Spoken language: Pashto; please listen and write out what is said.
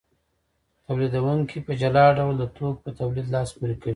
تولیدونکي په جلا ډول د توکو په تولید لاس پورې کوي